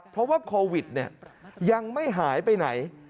เพราะว่าโควิดยังไม่หายไปไหน